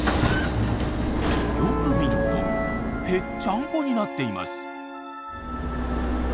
よく見るとぺっちゃんこになっています！